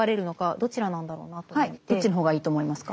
どっちの方がいいと思いますか？